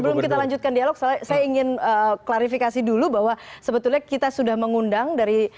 sebelum kita lanjutkan dialog saya ingin klarifikasi dulu bahwa sebetulnya kita sudah mengundang dari